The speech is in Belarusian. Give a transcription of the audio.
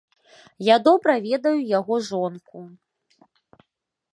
Я добра ведаю яго жонку.